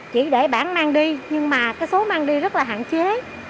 chỉ để bản mang đi nhưng mà cái số mang đi rất là hạn chế